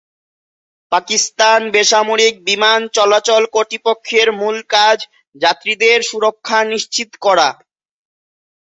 পাকিস্তান বেসামরিক বিমান চলাচল কর্তৃপক্ষের মূল কাজ যাত্রীদের সুরক্ষা নিশ্চিত করা।